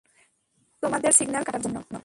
তোমাদের ফোনের সিগন্যাল কাটার জন্য।